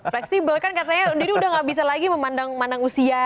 flexible kan katanya dia udah nggak bisa lagi memandang usia